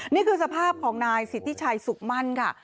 นี่คือสภาพของนายสิทธิชัยสุขมั่นค่ะ